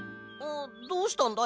どうしたんだ？